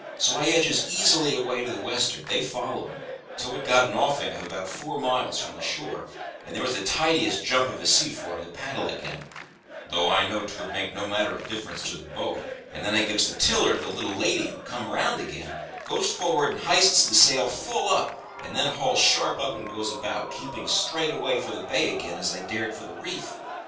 So I edges easily away to the west'ard, they following, till we'd got an offing of about four miles from the shore, and there was a tidyish jump of a sea for 'em to paddle ag'in, though I know'd 'twould make no matter of difference to the boat; and then I gives the tiller to the little lady, who'd come round ag'in, goes for'ard and h'ists the sail full up, and then hauls sharp up and goes about, keeping as straight away for the bay ag'in as I dared for the reef.